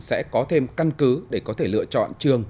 sẽ có thêm căn cứ để có thể lựa chọn trường